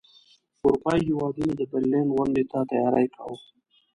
اروپايي هیوادونو د برلین غونډې ته تیاری کاوه.